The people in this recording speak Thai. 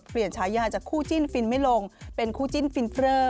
เปลี่ยนชายาจากคู่จิ้นฟิลไม่ลงเป็นคู่จิ้นฟิลเฟอร์